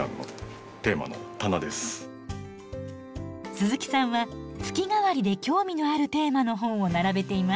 鈴木さんは月替わりで興味のあるテーマの本を並べています。